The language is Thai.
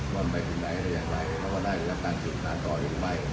วันไปกินไหนอะไรอย่างไรแล้วก็ได้อยู่กับการจุดนัดต่ออีกไหม